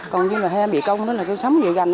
còn như là he mị công sống như gành